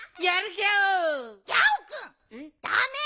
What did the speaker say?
ギャオくんだめ！